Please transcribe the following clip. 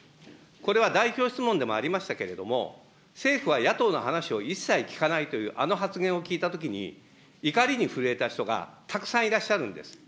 これは代表質問でもありましたけれども、政府は野党の話を一切聞かないという、あの発言を聞いたときに、怒りに震えた人がたくさんいらっしゃるんです。